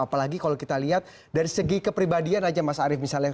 apalagi kalau kita lihat dari segi kepribadian aja mas arief misalnya